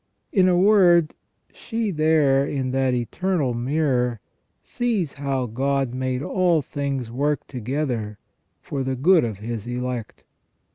In a word, she there in that eternal mirror sees how God made all things work together for the good of His elect.